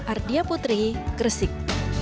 ardia putri kresik